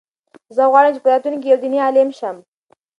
زه غواړم چې په راتلونکي کې یو دیني عالم شم.